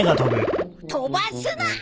飛ばすな！